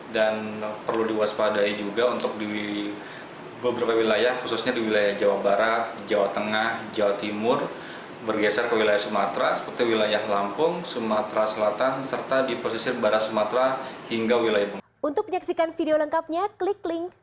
dan perlu diwaspadai juga untuk di beberapa wilayah khususnya di wilayah jawa barat jawa tengah jawa timur bergeser ke wilayah sumatera seperti wilayah lampung sumatera selatan serta di posisi barat sumatera hingga wilayah bengkong